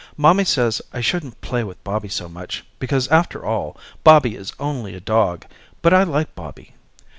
Mommy says I shouldn't play with Bobby so much because after all Bobby is only a dog but I like Bobby.